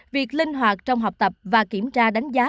việc linh hoạt trong học tập và kiểm tra đánh giá